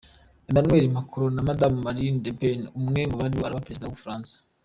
Emmanuel Macron na Madamu Marine Le Pen, umwe muribo araba Perezida w’ u Bufaransa.